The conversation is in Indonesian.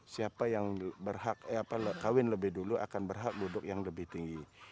siapa yang berhak kawin lebih dulu akan berhak duduk yang lebih tinggi